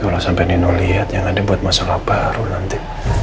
kalau sampai nino lihat yang ada buat masalah baru nanti